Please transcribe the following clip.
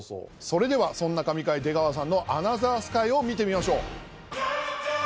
それではそんな神回出川さんの『アナザースカイ』を見てみましょう。